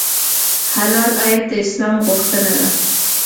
حلال عاید د اسلام غوښتنه ده.